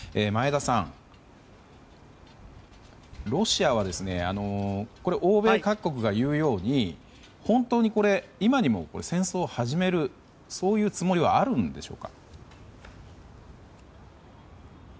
前田さん、ロシアは欧米各国が言うように本当に今にも戦争を始めるそういうつもりはあるんでしょうか？